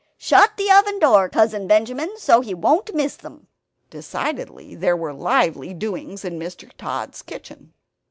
Shut the oven door, Cousin Benjamin, so that he won't miss them." Decidedly there were lively doings in Mr. Tod's kitchen!